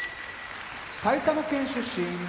埼玉県出身